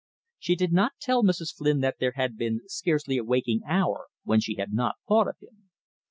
She did not tell Mrs. Flynn that there had scarcely been a waking hour when she had not thought of him.